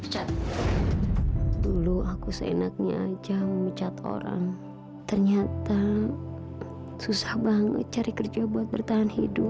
cat dulu aku seenaknya aja mecat orang ternyata susah banget cari kerja buat bertahan hidup